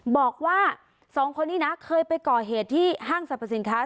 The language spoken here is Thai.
บอกว่าสองคนนี้นะเคยไปก่อเหตุที่ห้างสรรพสินค้า